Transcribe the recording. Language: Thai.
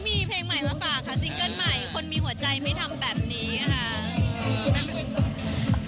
มีเพลงใหม่มาฝากค่ะซิงเกิ้ลใหม่คนมีหัวใจไม่ทำแบบนี้ค่ะ